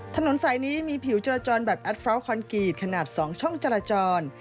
ถนนสายนี้มีผิวจราจรแบบอัดเฝ้าคอนกรีตขนาด๒ช่องจราจร